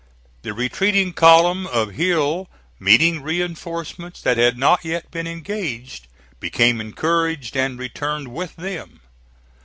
The retreating column of Hill meeting reinforcements that had not yet been engaged, became encouraged and returned with them.